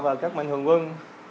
và các mệnh hưởng quân